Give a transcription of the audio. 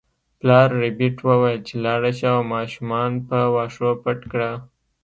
پلار ربیټ وویل چې لاړه شه او ماشومان په واښو پټ کړه